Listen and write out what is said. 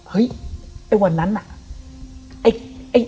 เฮ้ยไอ้วันนั้นน่ะ